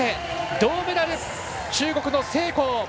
銅メダル、中国の成こう。